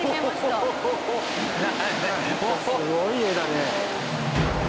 すごい画だね！